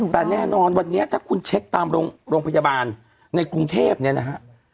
แต่แน่นอนวันนี้ถ้าคุณเช็คตามโรงพยาบาลในกรุงเทพเนี่ยนะฮะ